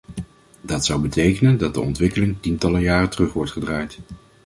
Dat zou betekenen dat de ontwikkeling tientallen jaren terug wordt gedraaid.